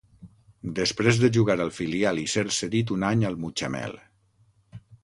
Després de jugar al filial i ser cedit un any al Mutxamel.